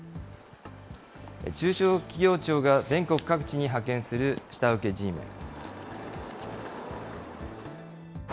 中小企業庁が全国各地に派遣する下請けＧメン。